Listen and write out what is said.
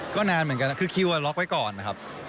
ก็นานเหมือนกันคือคิวล็อกไว้ก่อนนะครับ